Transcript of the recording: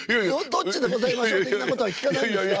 どっちでございましょう的なことは聞かないんですか？